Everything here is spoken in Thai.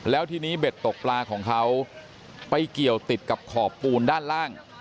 แล้วทีนี้เบ็ดตกปลาของเขาไปเกี่ยวติดกับขอบปูนด้านล่าง